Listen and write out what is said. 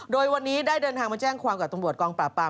โดยวันนี้ได้เดินทางมาแจ้งความกับตำรวจกองปราบปราม